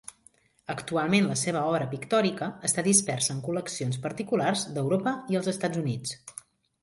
Actualment la seva obra pictòrica està dispersa en col·leccions particulars d'Europa i els Estats Units.